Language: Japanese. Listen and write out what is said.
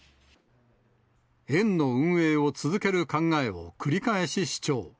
園の運営を続ける考えを、繰り返し主張。